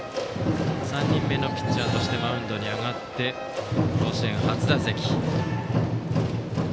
３人目のピッチャーとしてマウンドに上がって甲子園初打席。